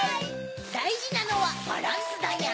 だいじなのはバランスだニャ。